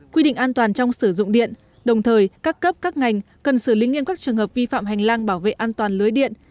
quy định an toàn trong sử dụng điện đồng thời các cấp các ngành cần xử lý nghiêm các trường hợp vi phạm hành lang bảo vệ an toàn lưới điện